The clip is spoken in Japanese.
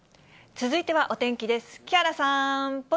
続いてはお天気です。